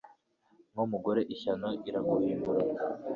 Nkumugore ishyano iraguhindura